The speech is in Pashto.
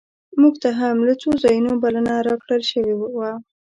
مونږ ته هم له څو ځایونو بلنه راکړل شوې وه.